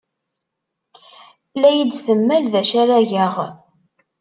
La iyi-d-temmal d acu ara geɣ.